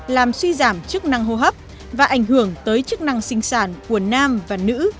làm suy giảm chức năng hô hấp và ảnh hưởng tới chức năng sinh sản của nam và nữ